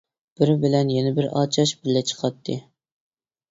بىر بىلەن يەنە بىر ئاچاش بىللە چىقاتتى.